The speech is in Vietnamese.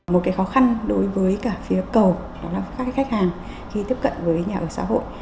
một cái khó khăn đối với cả phía cầu đó là các khách hàng khi tiếp cận với nhà ở xã hội